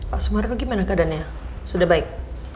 pak sumarno gimana keadaannya sudah baik